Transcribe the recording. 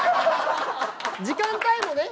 時間帯もね。